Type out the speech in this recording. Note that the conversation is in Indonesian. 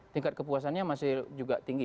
tingkat kepuasannya masih juga tinggi